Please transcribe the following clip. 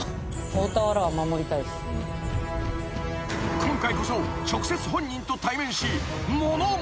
［今回こそ直接本人と対面し物申す］